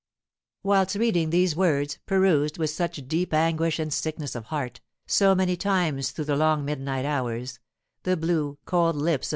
Whilst reading these words, perused, with such deep anguish and sickness of heart, so many times through the long midnight hours, the blue, cold lips of M.